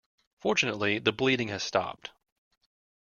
Fortunately, the bleeding has stopped.